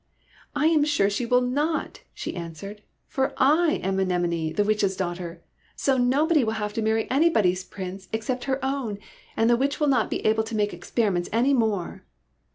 " I am sure she will not," she answered, '' for / am Anemone, the Witch's daughter. So nobody will have to marry anybody's Prince except her own, and the witch will not be able to make experiments any more